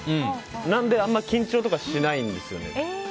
なので、あんまり緊張とかしないんですよね。